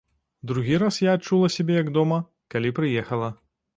Другі раз я адчула сябе як дома, калі прыехала.